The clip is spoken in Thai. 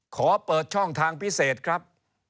ขอเปิดช่องทางพิเศษครับ